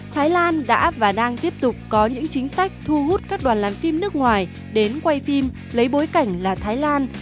thái lan đã và đang tiếp tục có những chính sách thu hút các đoàn làm phim nước ngoài đến quay phim lấy bối cảnh là thái lan